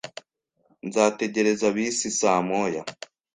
Nzategereza bisi saa moya.